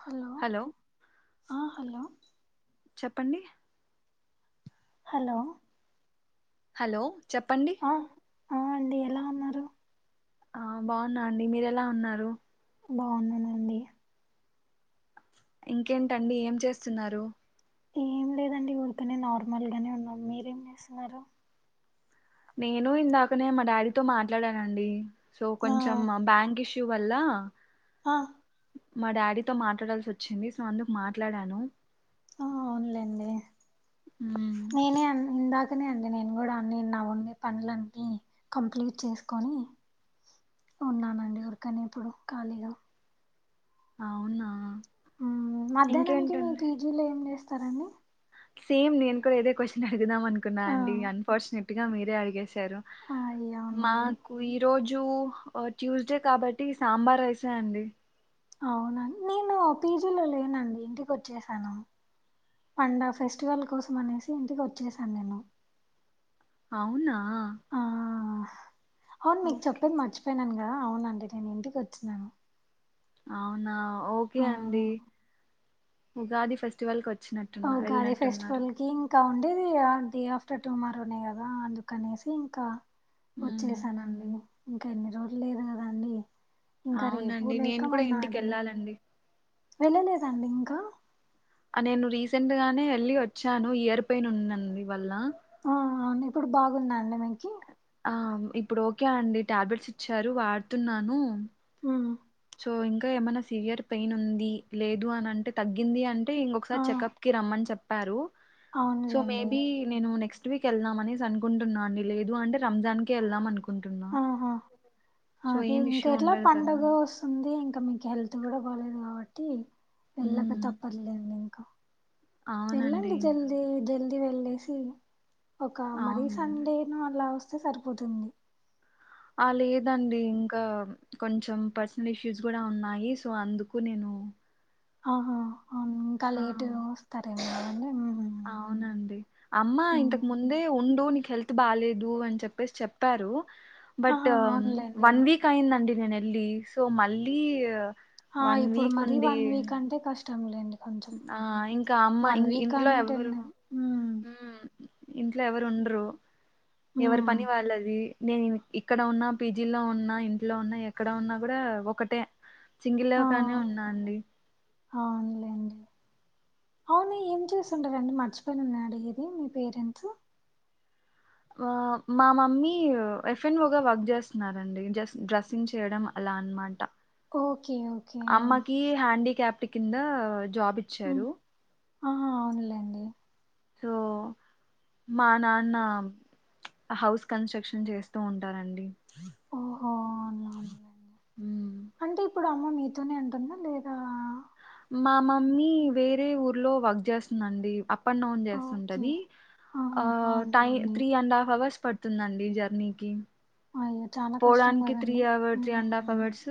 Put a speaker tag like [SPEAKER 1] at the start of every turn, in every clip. [SPEAKER 1] Hello ఆ hello
[SPEAKER 2] చెప్పండి
[SPEAKER 1] hello
[SPEAKER 2] hello చెప్పండి
[SPEAKER 1] ఆ ఆ అండి ఎలా ఉన్నారు
[SPEAKER 2] ఆ బాగున్నా అండి మీర ఎలా ఉన్నారు
[SPEAKER 1] బాగున్నానండి
[SPEAKER 2] ఇంకేంటండి ఏం చేస్తున్నారు
[SPEAKER 1] ఏం లేదండి ఉర్కనే నార్మల్గానే ఉన్నా మీరేం చేస్తున్నారు
[SPEAKER 2] నేను ఇందాకనే మా డాడీతో మాట్లాడానండి సో
[SPEAKER 1] ఆ
[SPEAKER 2] కొంచెం మా బ్యాంక్ ఇషూ ష్యూ వల్ల
[SPEAKER 1] ఆ
[SPEAKER 2] మా డాడీతో మాట్లాడాల్సి వచ్చింది సో అందుకు మాట్లాడాను
[SPEAKER 1] ఆ అవునులేండి
[SPEAKER 2] మ్మ్
[SPEAKER 1] నేనే ఆన్ ఇందాక కనే అండి నేను కూడా అన్ని నావన్ని పనులన్నీ కంప్లీట్ చేసుకొని ఉన్నానండి ఉర్కనే అంటే ఇప్పుడు ఖాళీగా
[SPEAKER 2] అవునా
[SPEAKER 1] ఉహ్ మధ్యాహ్నంకి మీ
[SPEAKER 2] ఇంకేంటండి
[SPEAKER 1] పీజీలో ఏంచేస్ స్తారండి
[SPEAKER 2] సేమ్ నేను కూడా ఇదే క్వశ్చన్ అడుగుదాం అనుకున్నా
[SPEAKER 1] ఆ
[SPEAKER 2] అండి అన్ఫార్చునేట్ గా మీరే అడిగేస్ సారు
[SPEAKER 1] అయ్య అవునండి
[SPEAKER 2] మాకు ఈ రోజు జు ట్యూస్డే కాబట్టి సాంబార్ రైసే అండి
[SPEAKER 1] అవునా నేను పీజీలో లేనండి ఇంటికోచ్చేసాను పండ ఫెస్టివల్ కోసం అనేసి ఇంటికోచ్చేసాను నేను
[SPEAKER 2] అవునా
[SPEAKER 1] ఆ అవును మీకు
[SPEAKER 2] ఓకే
[SPEAKER 1] చెప్పేది మర్చిపోయిన నా ఆ అవునండి నేను ఇంటికి వచ్చినాను
[SPEAKER 2] అవునా ఓకే
[SPEAKER 1] ఆ
[SPEAKER 2] అండి ఉగాది ఫెస్టివల్ కోచ్
[SPEAKER 1] ఊగాది ఫెస్టివల్ కి ఇంకా ఉండేది ఇగ ఇగ చటిమారునే కదా అందుకనేసి ఇంకా
[SPEAKER 2] మ్మ్
[SPEAKER 1] వచ్చేసానండి. ఇంకా ఎన్ని రోజులు లేదు కదాండి. ఇంకా రేపు
[SPEAKER 2] అవునండి నేను కూడా ఇంటికి
[SPEAKER 1] లేకమన్నాడే
[SPEAKER 2] వెళ్ళాలండి
[SPEAKER 1] వెళ్ళలేదండి ఇంకా.
[SPEAKER 2] సెంటగానే వెళ్ళి వచ్చాను ఇయర్ పెయిన్ ఉన్నందు వల్ల.
[SPEAKER 1] ఆ అవును ఇప్పుడు బాగున్నాండి మీకి
[SPEAKER 2] ఆ ఇప్పుడు ఓకే అండి టాబ్లెట్స్ ఇచ్చారు వాడుతున్నాను.
[SPEAKER 1] ఉ
[SPEAKER 2] సో ఇంకా ఏమైన్నా సివియర్ పెయిన్ ఉంది లేదు, అని అంటే తగ్గింది అంటే
[SPEAKER 1] ఆ
[SPEAKER 2] ఇంకొకసారి చెకప్కి రమ్మని చెప్పారు. సో
[SPEAKER 1] అవునులేండి
[SPEAKER 2] మేబి నేను నెక్స్ట్ ఫస్ట్ వీక్ వెళ్దా అనేసి అనుకుంటన్నా అండి లేదు అంటే రంజాన్కేళ్దాం అనుకుంటున్నాను.
[SPEAKER 1] ఆహా అదే ఇంక ఎట్లా
[SPEAKER 2] ఉండదు కదా
[SPEAKER 1] పండగ వస్తుంది ఇం ఇంకా మీకు హెల్త్ కూడా బాలేదు కాబట్టి వెళ్ళక
[SPEAKER 2] మ్మ్
[SPEAKER 1] తప్పట్లేదు ఇంకా
[SPEAKER 2] అవునండి
[SPEAKER 1] ఏళ్లండి జల్ది జ వెళ్లేసి ఒక మరీ
[SPEAKER 2] అవునండి
[SPEAKER 1] సండే ను అళ అ సరిపోతుంది.
[SPEAKER 2] ఆ లేదండి ఇంకా కొంచెం పర్సనల్ ఇష్యూస్ కూడా ఉన్నాయి. సో అందుకు నేను
[SPEAKER 1] ఆహా అవును ఇంకా
[SPEAKER 2] ఆ
[SPEAKER 1] లేట్గా వస్తారెమో అండి ఉ
[SPEAKER 2] అవునండి అమ్మ ఇంతకు ముందే ఉండు నీకు హెల్త్ బాలేదు అని చెప్పేసి చెప్పారు. బట్
[SPEAKER 1] ఆహా అవునులేండి
[SPEAKER 2] వన్ వీక్ అయిదండి. నేన వెల్లి సో మళ్ళీ
[SPEAKER 1] ఆ
[SPEAKER 2] వన్
[SPEAKER 1] ఇప్పుడు
[SPEAKER 2] వీక్
[SPEAKER 1] మరీ
[SPEAKER 2] ఉండి
[SPEAKER 1] వన్ వీక్ అంటే కష్టం. ఇష్టం లేండి కొంచెం
[SPEAKER 2] ఆ ఇంకా అమ్మా
[SPEAKER 1] వన్
[SPEAKER 2] ఇం
[SPEAKER 1] వీక్
[SPEAKER 2] ఇంట్లో
[SPEAKER 1] అనే టెన్
[SPEAKER 2] ఎవ్వరు
[SPEAKER 1] మ్మ్
[SPEAKER 2] ఉ ఇంట్లో ఎవరు ఉండరు. ఎవరు
[SPEAKER 1] మ్మ్
[SPEAKER 2] పని వాళ్ళది. నేను ఇక్కడ ఉన్నా, పీజిలో ఉన్నా, ఇంట్లో ఉన్నా, ఎక్కడ ఉన్నా కూడా ఒకటే. సింగి లేవ
[SPEAKER 1] ఆ
[SPEAKER 2] కానే ఉన్నా అండి
[SPEAKER 1] అవునులేండి అవును ఏం చేస్తుండారండి మర్చిపోయిన నేను అడిగేది మీ పేరెంట్స్.
[SPEAKER 2] ఆ మా మమ్మీ ఎఫ్ఎన్ ఓ గా వర్క్ చేస్తున్నారండి. జస్ట్ డ్రెస్సింగ్ చేయడం అలా అనమాట.
[SPEAKER 1] ఓకే ఓకే అవును
[SPEAKER 2] క్యాప్ట్ కింద జాబ్ ఇచ్చారు
[SPEAKER 1] ఆ అవునులేండి
[SPEAKER 2] సో మా నాన్న హౌస్ కన్స్ట్రక్షన్ చేస్తూ ఉంటారండి
[SPEAKER 1] ఓహో! అవునులే
[SPEAKER 2] ఉమ్
[SPEAKER 1] ప్పుడు అమ్మ నీతోనే ఉంటుందా లేదా
[SPEAKER 2] మా మమ్మీ వేరే ఊర్లో వర్క్ చేస్తుందండి అప్ డౌన్
[SPEAKER 1] ఓకే.
[SPEAKER 2] చేస్తుంటాది
[SPEAKER 1] ఆహా!
[SPEAKER 2] ఆ
[SPEAKER 1] అవునులెండి.
[SPEAKER 2] త్రీ అండ్ హఫ్ అవర్స్ పడుతుందండి జర్నీకి
[SPEAKER 1] అయ్యో! చాలా కష్టం
[SPEAKER 2] పోవడానికి త్రీ
[SPEAKER 1] గదండీ.
[SPEAKER 2] అవర్ త్రీ అండ్ హాఫ్
[SPEAKER 1] హ్మ్.
[SPEAKER 2] అవర్స్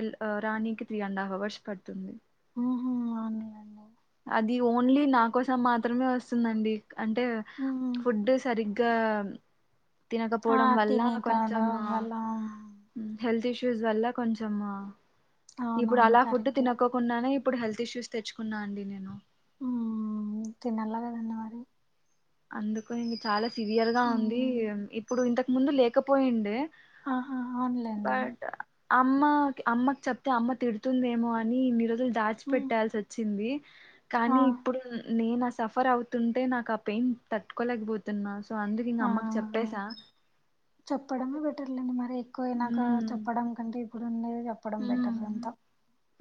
[SPEAKER 2] ఎల్ రాణికి త్రీ అండ్ హాఫ్ అవర్స్ పడుతుంది
[SPEAKER 1] ఉహు అండ్ అండి
[SPEAKER 2] అది ఓన్లీ నా కోసం మాత్రమే వస్తుందండి అంటే
[SPEAKER 1] హ్మ్.
[SPEAKER 2] ఫుడ్ సరిగ్ గా
[SPEAKER 1] ఆ!
[SPEAKER 2] తినకపోవడం వల్ల
[SPEAKER 1] తినే
[SPEAKER 2] కొంచెం
[SPEAKER 1] కాడం వల్ల హ్మ్.
[SPEAKER 2] హెల్త్ ఇష్యు స్ వల్ల కొంచమా ఇప్పుడు
[SPEAKER 1] అవునవును.
[SPEAKER 2] అలా ఫుడ్
[SPEAKER 1] కరెక్టే.
[SPEAKER 2] తినకోకుండానేప్ ఇప్పుడు హెల్త్ ఇష్యూస్ తెచ్చుకున్న అండి నేన్
[SPEAKER 1] ఆ తినలగద అండి మరి
[SPEAKER 2] అందుకు ఇంక చాలా సివియర్ గా ఉంది
[SPEAKER 1] హ్మ్.
[SPEAKER 2] ఇప్పుడు ఇంతకు ముందు లేకపోయిన్ డే
[SPEAKER 1] ఆహా అవున్లేండి
[SPEAKER 2] అమ్మక్ అమ్మకి చెప్తే అమ్మ తిడుతుందేమో అని ఇన్ని రోజుల్ దాచి
[SPEAKER 1] హ్మ్.
[SPEAKER 2] పెట్టాల్సి వచ్చింది
[SPEAKER 1] ఆ!
[SPEAKER 2] కానీ ఇప్పుడు నేను అస్ సఫర్ అవుతుంటే నాకు. అప్ పెయిన్ తట్టుకోలేకపోతున్నా. సో అందుగిక
[SPEAKER 1] ఆ!
[SPEAKER 2] అమ్మకి
[SPEAKER 1] ఆ!
[SPEAKER 2] చెప్పేసా.
[SPEAKER 1] చెప్పడమే బెటర్లేండి మరి. ఎక్కువైనాక
[SPEAKER 2] ఉమ్
[SPEAKER 1] చెప్పడం కంటే. ఇప్డున్నదే చెప్పడం
[SPEAKER 2] ఉమ్
[SPEAKER 1] బెటర్ అంతా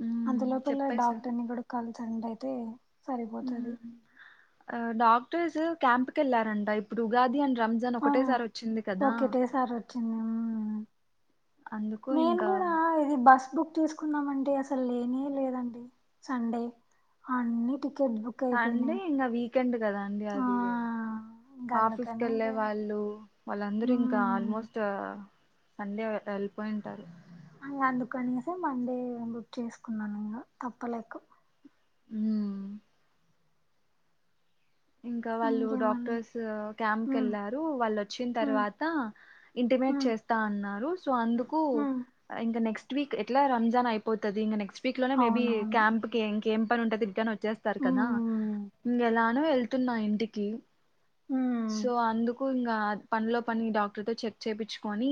[SPEAKER 2] ఉమ్
[SPEAKER 1] అంతలోపల్ల
[SPEAKER 2] చెప్పేసా
[SPEAKER 1] డాక్టర్ ని కూడా కలి. అండ్ అయితే.. సరిపోతాది.
[SPEAKER 2] ఉమ్ ఆ డాక్టర్స్ క్యాంప్ కి వెళ్లారంట ఇప్పుడు ఉగాది. రంజాన్
[SPEAKER 1] ఆ
[SPEAKER 2] ఒకటేసారి వచ్చింది కదా
[SPEAKER 1] ఓకటే సారి ఒచ్చింది
[SPEAKER 2] అందుకు
[SPEAKER 1] నేను
[SPEAKER 2] ఇంకా
[SPEAKER 1] కూడా ఇది బస్ బుక్ తీసుకుందాం అంటే అసలు లేనే లేవండి సండే అన్ని టి టికెట్ బుక్ అయిపోనయ్
[SPEAKER 2] కెండ్ కదా అండి అది
[SPEAKER 1] ఇంక
[SPEAKER 2] ఆఫీస్
[SPEAKER 1] అందుకనే ఇంక
[SPEAKER 2] కెళ్ళే వాళ్ళు వాళ్ళందరూ ఇంకా ఆల్
[SPEAKER 1] మ్మ్
[SPEAKER 2] మోస్ట్ సండే వెళ్ళిపోయింటారు
[SPEAKER 1] అందుకనేసి మండే బుక్ చేసుకున్నాను ఇంగ తప్పలేక
[SPEAKER 2] హ్మ్ ఇంకా వాళ్ళు
[SPEAKER 1] ఇంకేమన్
[SPEAKER 2] డాక్టర్స్ క్యాంప్ కిి
[SPEAKER 1] మ్మ్
[SPEAKER 2] వెళ్ళారు వాళ్ళు వచ్చిన
[SPEAKER 1] మ్మ్
[SPEAKER 2] తర్వాత ఇంటిమేట్
[SPEAKER 1] మ్మ్
[SPEAKER 2] చేస్తా అన్నారు సో అందుకు
[SPEAKER 1] మ్మ్
[SPEAKER 2] ఇంకా నెక్స్ట్ వీక్ ఎట్లా రంజాన్ అయిపోతది ఇంగ నెక్స్ట్ వీక్ లోనే మేబీ
[SPEAKER 1] అవునవును
[SPEAKER 2] క్యాంప్ కి ఏం పని ఉంటది ఇంక నాకు చేస్తారు కదా
[SPEAKER 1] హ్మ్
[SPEAKER 2] ఇంగెలా నువెళ్ తున్నా ఇంటికి సో
[SPEAKER 1] హ్మ్
[SPEAKER 2] అందుకు ఇంకా పనిలో పని డాక్టర్ తో చెక్ చేపిచుకొని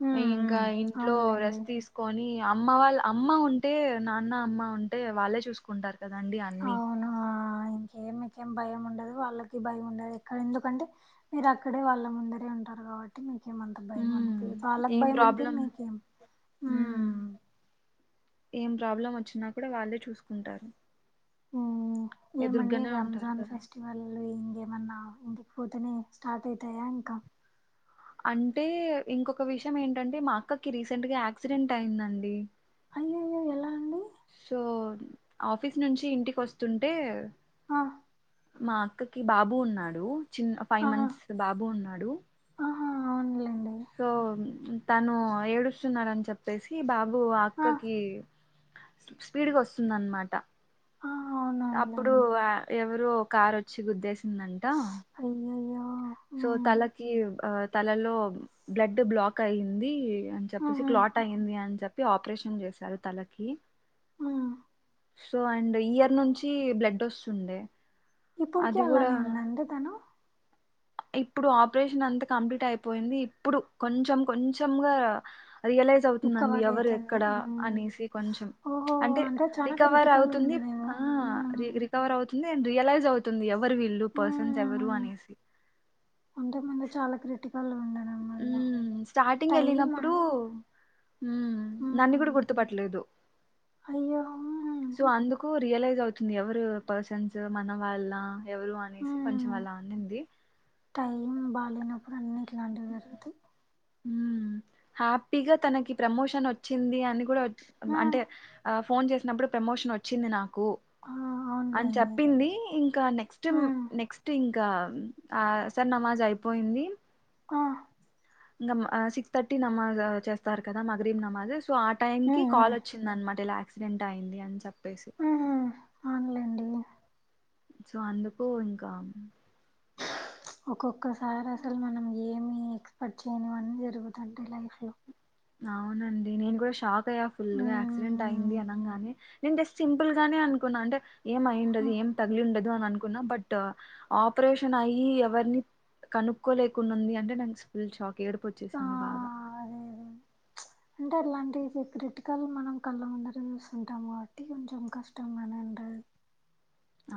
[SPEAKER 1] హ్మ్
[SPEAKER 2] ఇంకా
[SPEAKER 1] హ్మ్
[SPEAKER 2] ఇంట్లో
[SPEAKER 1] అవునులేండి
[SPEAKER 2] రెస్ట్ తీసుకొని అమ్మ వాళ్ళ అమ్మ ఉంటే నాన్న అమ్మ ఉంటే వాళ్ళే చూసుకుంటారు కదాండి అన్ని
[SPEAKER 1] అవును ఆ మీకేం భయం ఉండదు వాళ్ళకి భయం ఉండదు ఇక్కడ ఎందుకంటే మీరు అక్కడే వాళ్ళ ముందరే ఉంటారు కాబట్టి మీక్ కేం అంత భయం
[SPEAKER 2] ఉమ్
[SPEAKER 1] అనిపియదు వాళ్ళుకు
[SPEAKER 2] ఏం
[SPEAKER 1] భయం అనిపియదు
[SPEAKER 2] ప్రాబ్లం
[SPEAKER 1] మీకేం
[SPEAKER 2] ఉమ్
[SPEAKER 1] హ్మ్
[SPEAKER 2] ఏం ప్రాబ్లం వచ్చినా కూడా వాళ్ళే చూసుకుంటారు
[SPEAKER 1] హ్మ్ ఏమండి
[SPEAKER 2] ఎదురుగానే ఉంటారు
[SPEAKER 1] రంజాన్
[SPEAKER 2] కదా
[SPEAKER 1] ఫెస్టివల్ ఎం జ ఏమన్నా ఇంటికి పోతేనే స్టార్ట్ అయితాయా ఇంకా
[SPEAKER 2] అంటే ఇంకొక విషయం ఏంటంటే మా అక్కకి రీసెంట్ గా యాక్సిడెంట్ అయిందండి
[SPEAKER 1] అయ్యయ్యో ఎలా అండి
[SPEAKER 2] సో ఆఫీస్ నుంచి ఇంటికి వస్తుంటే
[SPEAKER 1] ఆ
[SPEAKER 2] మా అక్కకి బాబు ఉన్నాడు చిన్న ఫైవ్
[SPEAKER 1] ఆ
[SPEAKER 2] మంత్స్ బాబు ఉన్నాడు
[SPEAKER 1] ఆహా అవునులేండి
[SPEAKER 2] సో తను ఏడుస్తున్నాడని చెప్పేసి బాబు
[SPEAKER 1] ఆ
[SPEAKER 2] అక్కకి స్పీడ్గా వస్తుందన్నమాట
[SPEAKER 1] ఆ
[SPEAKER 2] అప్పుడు
[SPEAKER 1] అవునవునులేండి
[SPEAKER 2] ఎవరో కార్ ఒచ్చి గుద్దేసి సిందంట
[SPEAKER 1] అయ్యయ్యో హ్మ్
[SPEAKER 2] తలలో బ్లడ్ బ్లాక్ అయింది అని చెప్పేసి
[SPEAKER 1] ఆహా
[SPEAKER 2] క్లాట్ అయ్యింది అని చెప్ తె ఆపరేషన్ చేశారు తలకి
[SPEAKER 1] ఆ
[SPEAKER 2] సో అండ్ ఇయర్ నుంచి బ్లడ్ ఒస్తుండే
[SPEAKER 1] ఇప్పుడికి అలానె ఉందండి తను
[SPEAKER 2] ఇప్పుడు ఆపరేషన్ అంతా కంప్లీట్ అయిపోయింది ఇప్పుడు కొంచెం కొంచెంగా రియలైజ్ అవుతుందండి
[SPEAKER 1] రికవర్
[SPEAKER 2] ఎవరు
[SPEAKER 1] అయితుంది
[SPEAKER 2] ఎక్కడ అనేసి కొంచెం
[SPEAKER 1] ఓహో
[SPEAKER 2] అంటే
[SPEAKER 1] చానా
[SPEAKER 2] రికవర్
[SPEAKER 1] క్రిటికల్
[SPEAKER 2] అవుతుంది
[SPEAKER 1] ఉండేదేమో
[SPEAKER 2] ఆ
[SPEAKER 1] మ్మ్
[SPEAKER 2] రికవర్ అవుతు ఉ నేన్ రియలైజ్ అవుతుంది ఎవరు వీళు పర్సన్స్ ఎవరు అనేసి
[SPEAKER 1] అంటె ముందు చాలా క్రిటి అలా వుండే
[SPEAKER 2] ఉ స్టార్టింగ్ వెళ్ళినప్పుడు ఊ నన్ను కూడా
[SPEAKER 1] మ్మ్
[SPEAKER 2] గుర్తుపట్టలేదు
[SPEAKER 1] అయ్యో మ్మ్
[SPEAKER 2] సో అందుకు రియలైజ్ అవుతుంది ఎవరు పర్సన్స్ మన వాళ్ళ ఎవరు
[SPEAKER 1] హు
[SPEAKER 2] అనేసి కొంచెం అలా అనింది
[SPEAKER 1] టైం బాలేనప్పుడు అన్ని ఇట్లాంటి జరుగుతయ్
[SPEAKER 2] హు హ్యాపీగా తనకి ప్రమోషన్ వచ్చింది అని కూడా బ అంటే
[SPEAKER 1] మ్మ్
[SPEAKER 2] ఆ ఫోన్ చేసినప్పుడు ప్రమోషన్ వచ్చింది నా కు
[SPEAKER 1] ఆ
[SPEAKER 2] అని
[SPEAKER 1] అవునులేండి
[SPEAKER 2] చెప్పింది ఇంకా నెక్స్ట్
[SPEAKER 1] మ్మ్
[SPEAKER 2] నెక్స్ట్ ఇం ఇంక ఆ సర్ నమాజ్ అయిపోయింది
[SPEAKER 1] ఆ
[SPEAKER 2] ఇంకా మా ఆ సిక్స్ తర్టీ నమాజ్ చేస్తారు కదా మగరిమ్ నమాజు సో ఆ టైం కి
[SPEAKER 1] మ్మ్
[SPEAKER 2] కాల్
[SPEAKER 1] మ్మ్
[SPEAKER 2] వచ్చింది అనమాట ఇలా క్సిడెంట్ అయింది అని చెప్ పెసి
[SPEAKER 1] మ్మ్ అవునులేండి
[SPEAKER 2] సో అందుకు ఇంకా
[SPEAKER 1] [unintelligible] ఓకొక్ కసారి అసలు మనం ఏ ఏమి ఎక్స్పెక్ట్ చేయనివన్నీ జరుగుతాంటయి లైఫ్ లో
[SPEAKER 2] అవునండి నేను కూడా షాక్ అయ్యా ఫుల్ గా యాక్సిడెంట్ అయింది
[SPEAKER 1] మ్మ్
[SPEAKER 2] అనంగానే నేను జస్ట్ సింపుల్ గానే అనుకున్నా అంటే ఏం అయుండది ఏం తగిలిండది డదు అనుకున్నా బట్ ఆపరేషన్ అయి ఎవరిని కనుక్కోలేకుంది అంటే నేన్ ఫుల్ షాక్ ఏడుపొచ్చేసింది బాగా
[SPEAKER 1] ప్చ్ అంటే అట్లాంవి క్రిటికల్ మనం కళ్ళ ముందట చూస్తుంటాము కాబట్టి కొంచెం కష్టంగానే ఉంటది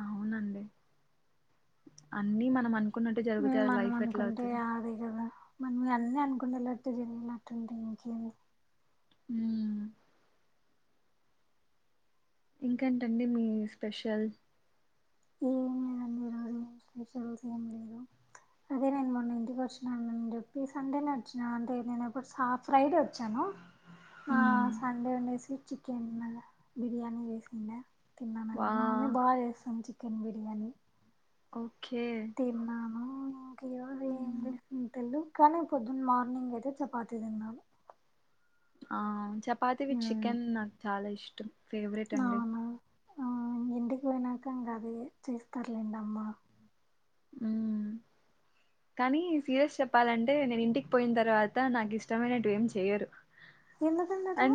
[SPEAKER 2] అవునండి అన్ని మనం అనుకున్నట్టు జరిగితే అది
[SPEAKER 1] మనం
[SPEAKER 2] లైఫ్ ఎట్లా
[SPEAKER 1] అనుకుంటె
[SPEAKER 2] అవుతది
[SPEAKER 1] అది కదా మనం అన్నీ అనుకుంటేలా తిరిగి నట్టు ఉంటది [unintelligible]
[SPEAKER 2] హుమ్ ఇంకేంటండి మీ స్పెషల్
[SPEAKER 1] ఏమ్ స్పెషల్ ఏం లేదు అదే నేను మొన్న ఇంటికి వచ్చానుని చెప్పి సండే నొచ్చిన అంటే నేనుప్పుడు ఫ్రైడే వచ్చాను ఆ
[SPEAKER 2] మ్మ్
[SPEAKER 1] సండే ఉండేసి స్వీట్ చికెన్ మళ్ళ బిర్యాని వేసింద తిన్నానండి
[SPEAKER 2] వా
[SPEAKER 1] మా మమ్మి బాగ చేస్తాంది చికెన్ చికెన్ బిర్యానీ
[SPEAKER 2] కొ
[SPEAKER 1] తిన్నాను ఇంక
[SPEAKER 2] మ్మ్
[SPEAKER 1] ఆకలైంది ఇంతలు కను పోద్దున్ మార్నింగ్ అయితే చపాతి తిన్నాను
[SPEAKER 2] ఆ చపాతి విత్ చికెన్ నాక్ చాలా ఇష్టం ఫేవ్రేట్ అండి
[SPEAKER 1] అవునా ఆ ఇంటికి పోయినాక ఇంక అదే చూస్తార్లేండి అమ్మా
[SPEAKER 2] ఉమ్ కానీ సీరియస్ చెప్పాలంటే నేను ఇంటికి పోయిన తర్వాత నాకు ఇష్టమైనటువి ఏం చెయరు
[SPEAKER 1] ఎందుకండట్ల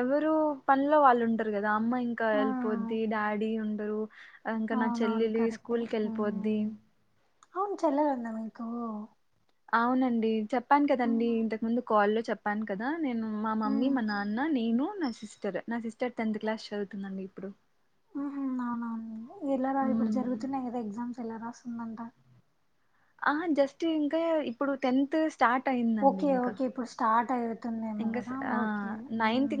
[SPEAKER 2] ఎవరు పనిలో వాళ్ళు ఉంటారు కదా అమ్మ ఇంకా
[SPEAKER 1] ఆ
[SPEAKER 2] వెళ్ళిపోద్ది డాడీ ఉండరు ఇంక నా
[SPEAKER 1] అవునవును
[SPEAKER 2] చెల్లెలి
[SPEAKER 1] కరెక్టే
[SPEAKER 2] స్కూల్కి వెళ్ళిపోద్ది
[SPEAKER 1] ఉమ్, అవును చెల్లెల్ ఉందా మీకు
[SPEAKER 2] అవునండి చెప్పాను కదండి ఇంతకు ముందు కాల్ లొ చెప్పాను కదా నేను మా మమ్మీ మా
[SPEAKER 1] ఉహు
[SPEAKER 2] నాన్న నేను నా సిస్టర్ నా సిస్టర్ టెన్త్ క్లాస్ చదువుతుందండి ఇప్పుడు
[SPEAKER 1] ఊ హు అవునవునుండి ఎలా రా ఇప్పుడు
[SPEAKER 2] హ్మ్.
[SPEAKER 1] జరుగుతున్నయి కదా ఎగ్జామ్స్ ఎలా రాస్తూ మేమంత
[SPEAKER 2] ఆహ జస్ట్ ఇంకె ఇప్పుడు టెన్త్
[SPEAKER 1] ఓకె ఓకె ఇప్పుడు స్టార్ట్ ఉంటుందేమో
[SPEAKER 2] ఇంకా స్
[SPEAKER 1] కదా
[SPEAKER 2] ఆ!
[SPEAKER 1] ఓకే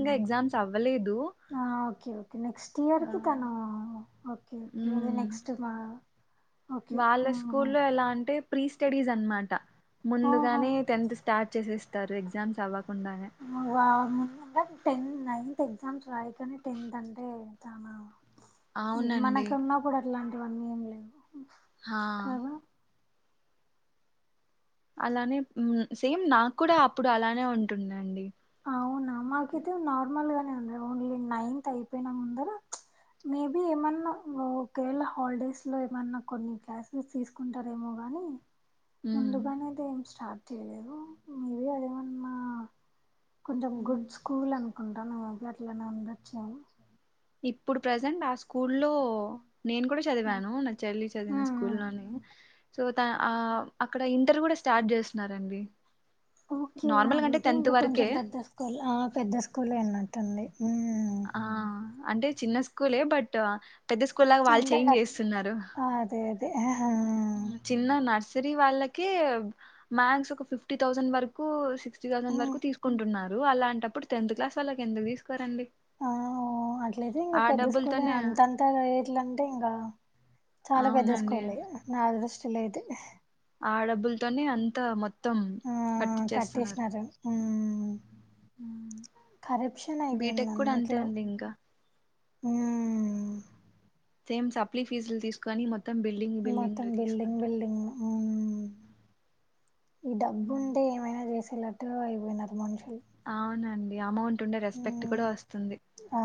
[SPEAKER 2] ఇంకా ఎగ్జామ్స్ అవ్వలేదు.
[SPEAKER 1] ఆ ఓకే ఓకే నెక్స్ట్ ఇయర్ కి
[SPEAKER 2] ఆ!
[SPEAKER 1] తను ఓకేఓకే అదే
[SPEAKER 2] ఉమ్
[SPEAKER 1] నెక్స్ట్ మా ఓకే
[SPEAKER 2] వాళ్ళ
[SPEAKER 1] ఉమ్.
[SPEAKER 2] స్కూల్లో ఎలా అంటే ప్రీ స్టడీస్ అన్మాట
[SPEAKER 1] ఓహో
[SPEAKER 2] ముందుగానె టెన్త్ స్టార్ట్ చేసే స్ తరే ఎగ్జామ్స్ అవ్వ
[SPEAKER 1] ము వారం ఉండర్ టెన్ నైన్త్ ఎగ్జామ్స్ రాయకనే టెన్త్ అంటే చానా ఇది
[SPEAKER 2] అవునండి
[SPEAKER 1] మనకు ఉన్నప్పుడు అట్లా
[SPEAKER 2] హా
[SPEAKER 1] కదా
[SPEAKER 2] అలానే హ్మ్మ్ సేమ్ నాకు కూడా అప్పుడు అలానే ఉంటుండే అండి
[SPEAKER 1] అవునా మాకైతే నార్మల్ గానే ఉంది ఓన్లీ నైన్త్ అయిపోయిన ముందర మేబి ఏమన్నా ఒకేవళ హాలిడేస్ లో ఏమన్నా కొన్ని క్లాసెస్ తీసుకుంటారేమో గాని
[SPEAKER 2] ఉమ్.
[SPEAKER 1] ముందుగానేది ఏం స్టార్ట్ తెలియదు మేబి అదేమన్నా కొంచెం గుడ్ స్కూల్ అనుకో ఉంటాను అట్లట్లనే ఉండొచ్చు ఏమో
[SPEAKER 2] ఇప్పుడు ప్రజెంట్ ఆ స్కూల్లో నేను కూడా చదివాను నా చెల్లి చదివిన స్కూల్
[SPEAKER 1] మ్మ్
[SPEAKER 2] లోనే చదువుతా ఆ అక్కడ ఇంటర్ కూడా స్టార్ట్ చేస్తున్నారండి
[SPEAKER 1] ఓకే
[SPEAKER 2] నార్మల్గా అంటే
[SPEAKER 1] అదయితే
[SPEAKER 2] టెన్త్
[SPEAKER 1] ఇంకా
[SPEAKER 2] వరకే
[SPEAKER 1] కొంచెం పెద్ద స్కూల్ ఆ పెద్ద స్కూల్ అన్నట్టుంది హ్మ్మ్
[SPEAKER 2] ఆ అంటే చిన్న స్కూలే బట్ పెద్ద స్కూల్ లాగా వాళ్ళు
[SPEAKER 1] అంటే
[SPEAKER 2] చేంజ్ చేస్తున్నారు
[SPEAKER 1] అదే అదే ఆహా.
[SPEAKER 2] చిన్న నర్స్ త్రీ వాళ్ళకి మ్యాథ్స్ ఒక ఫిఫ్టీ తౌసండ్ వరకు సి త్రీతౌసండ్
[SPEAKER 1] మ్మ్
[SPEAKER 2] వరకు తీసుకుంటున్నారు అలాంటప్పుడు టెన్త్ క్లాస్ వాళ్ళకి ఎందుకు తీసుకోరండి
[SPEAKER 1] ఆ ఓ అట్లయితే ఇంకా
[SPEAKER 2] ఆ
[SPEAKER 1] పెద్ద స్కూల్
[SPEAKER 2] డబ్బులతోనే
[SPEAKER 1] అంతంతా రేట్లంటే ఇంగా చాలా పెద్ద
[SPEAKER 2] అవునండి
[SPEAKER 1] స్కూల్ యే నాద్ ఫస్ట్ లేదు
[SPEAKER 2] ఆ డబ్బులతోనే అంతా మొత్తం
[SPEAKER 1] ఆ
[SPEAKER 2] మొత్తం పట్టి చేస్తున్నారు
[SPEAKER 1] కట్టేసినారు మ్మ్
[SPEAKER 2] హ్మ్మ్
[SPEAKER 1] కరప్షన్ అయిపోయింది
[SPEAKER 2] బీటెక్ కూడా అంతే అండి ఇంకా.
[SPEAKER 1] హ్మ్మ్
[SPEAKER 2] సేమ్ సప్లిఫీజులు తీసుకొని మొత్
[SPEAKER 1] మొత్తం బిల్డింగ్ బిల్డింగ్ హ్మ్మ్ ఈ డబ్బు
[SPEAKER 2] మ్మ్.
[SPEAKER 1] ఉంటే ఏమైనా చేసేలా ఎటో అయిపోయినారు మనుషులు
[SPEAKER 2] యమౌంట్ టుంటే రెస్పెక్ట్ కూడా
[SPEAKER 1] మ్మ్
[SPEAKER 2] వస్తుంది
[SPEAKER 1] ఆ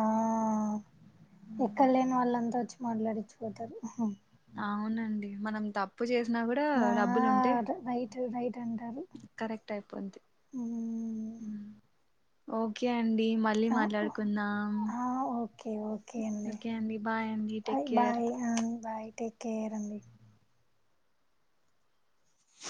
[SPEAKER 1] మాట్లాడిచ్చుపోతారు హ్మ్మ్
[SPEAKER 2] అవునండి మనం తప్పు చేసి
[SPEAKER 1] ఆ రైట్ రైట్ అంటారు
[SPEAKER 2] కరెక్ట్ అయిపోద్ది
[SPEAKER 1] హ్మ్మ్
[SPEAKER 2] మ్మ్. ఓకే ఓకేఅండి మళ్ళీ మాట్లాడుకుందాం
[SPEAKER 1] ఆ, ఓకే ఓకే
[SPEAKER 2] ఓకే అండి బాయ్ అండి టేక్
[SPEAKER 1] బాయ్
[SPEAKER 2] కేర్
[SPEAKER 1] బాయ్ ఆ, బాయ్ టేక్ కేర్ అండి